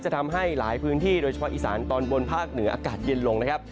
ทำให้หลายพื้นที่โดยเฉพาะอีสานตอนบนภาคเหนืออากาศเย็นลงนะครับ